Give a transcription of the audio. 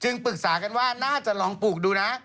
ปรึกษากันว่าน่าจะลองปลูกดูนะ